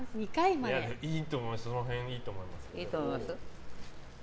その辺、いいと思います。